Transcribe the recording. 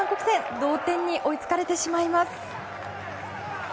同点に追いつかれてしまいます。